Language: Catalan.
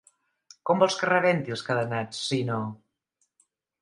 Com vols que rebenti els cadenats, sinó?